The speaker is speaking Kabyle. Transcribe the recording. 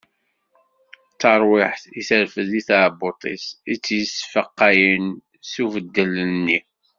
D tarwiḥt i terfed di tɛebbuṭ-is i tt-yesfaqayen s ubeddel-nni.